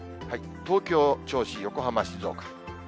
東京、銚子、横浜、静岡。